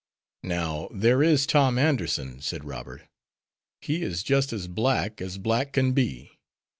"Now, there is Tom Anderson," said Robert, "he is just as black as black can be.